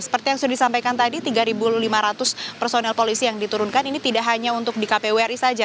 seperti yang sudah disampaikan tadi tiga lima ratus personel polisi yang diturunkan ini tidak hanya untuk di kpwri saja